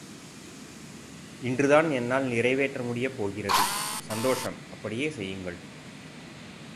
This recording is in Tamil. இன்றுதான் என்னால் நிறைவேற்ற முடியப் போகிறது! சந்தோஷம், அப்படியே செய்யுங்கள்.